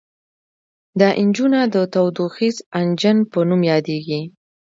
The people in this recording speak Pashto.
دا انجنونه د تودوخیز انجن په نوم یادیږي.